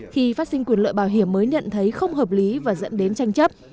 khi phát sinh quyền lợi bảo hiểm mới nhận thấy không hợp lý và dẫn đến tranh chấp